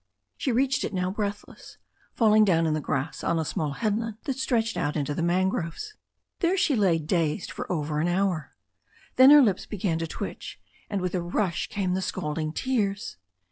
She reached it now breathless, falling down in the grass on a small headland that stretched out into the mangroves. There she lay dazed for over an hour. Then her lips be gan to twitch, and with a rush came the scalding tears.